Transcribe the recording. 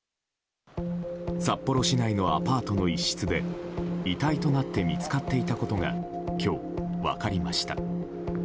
札幌市内のアパートの一室で遺体となって見つかっていたことが今日、分かりました。